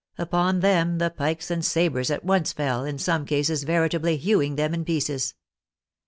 Upon them the pikes and sabres at once fell, in some cases veritably hewing them in pieces.